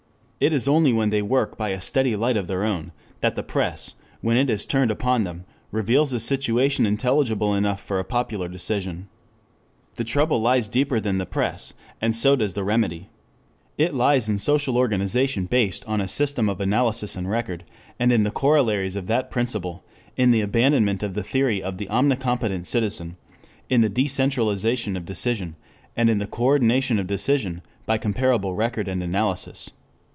It is only when they work by a steady light of their own, that the press, when it is turned upon them, reveals a situation intelligible enough for a popular decision. The trouble lies deeper than the press, and so does the remedy. It lies in social organization based on a system of analysis and record, and in all the corollaries of that principle; in the abandonment of the theory of the omnicompetent citizen, in the decentralization of decision, in the coordination of decision by comparable record and analysis.